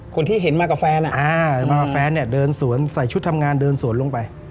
คนที่เห็นมากับแฟนมาแฟนเนี่ยเดินสวนใส่ชุดทำงานเดินสวนลงไป